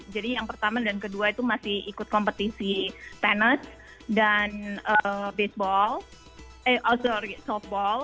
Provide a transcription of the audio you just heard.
jadi yang pertama dan kedua itu masih ikut kompetisi tennis dan softball